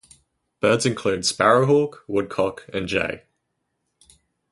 Birds include sparrow hawk, woodcock and jay.